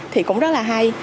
thì cũng rất là hay